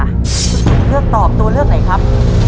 ตัวเลือกตอบตัวเลือกไหนครับ